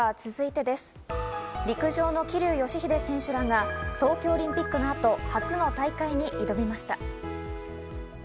続いて陸上の桐生祥秀選手らが東京オリンピックの後、初の大会に挑みました。